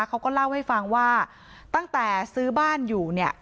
เขาก็เล่าให้ฟังว่าตั้งแต่ซื้อบ้านอยู่เนี่ย